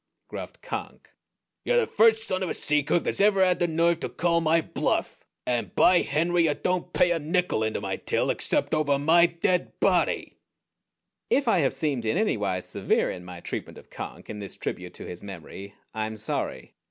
_" gruffed Conk. "You're the first son of a sea cook that's ever had the nerve to call my bluff, and by Henry you don't pay a nickel into my till except over my dead body!" If I have seemed in any wise severe in my treatment of Conk in this tribute to his memory, I am sorry.